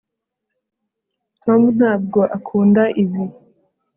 tom ntabwo akunda ibi